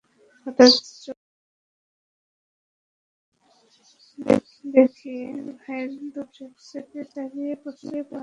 হঠাৎ চোখ তুলে দেখি দবির ভাইয়ের দুচোখ ছেপে গড়িয়ে পড়ছে জল।